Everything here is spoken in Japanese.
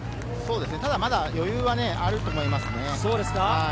ただ、まだ余裕はあると思いますね。